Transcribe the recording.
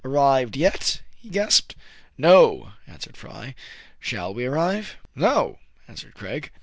Arrived yet ?" he gasped. " No" answered Fry. " Shall we arrive }" "No," answered Craig.